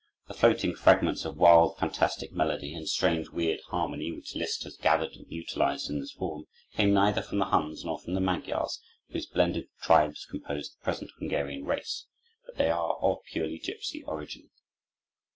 The floating fragments of wild, fantastic melody and strange, weird harmony which Liszt has gathered and utilized in this form, came neither from the Huns nor from the Magyars, whose blended tribes compose the present Hungarian race; but they are of purely gipsy origin.